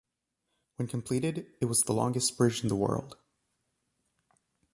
When completed, it was the longest bridge in the world.